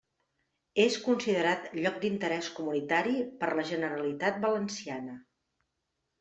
És considerat Lloc d'Interés Comunitari per la Generalitat Valenciana.